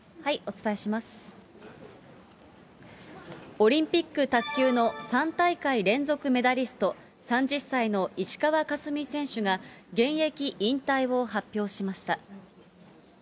オリンピック卓球の３大会連続メダリスト、３０歳の石川佳純選手が現役引退を発表しました。